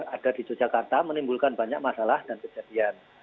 ada di yogyakarta menimbulkan banyak masalah dan kejadian